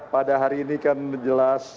pada hari ini kan jelas